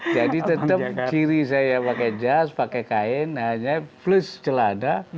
jadi tetap ciri saya pakai jas pakai kain hanya plus celana